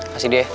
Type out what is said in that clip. kasih dia ya